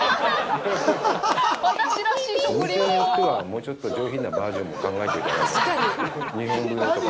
お店によってはもうちょっと上品なバージョンも考えといたほうがいいかも。